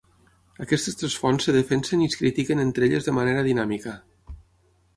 Aquestes tres fonts es defensen i es critiquen entre elles de manera dinàmica.